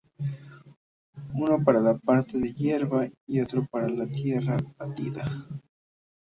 Uno para la parte de hierba y el otro para la tierra batida.